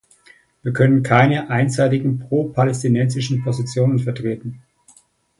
Wir können keine einseitigen propalästinensischen Positionen vertreten.